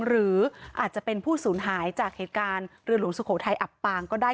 หรืออาจจะเป็นผู้สูญหายจากเหตุการณ์เรือหลวงสุโขทัยอับปางก็ได้